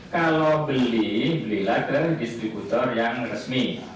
kalau beli beli lagi dari distributor yang resmi